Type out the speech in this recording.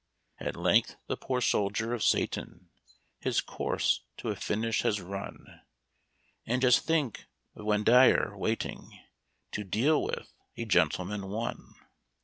At length the poor soldier of Satan His course to a finish has run And just think of Windeyer waiting To deal with "A Gentleman, One"!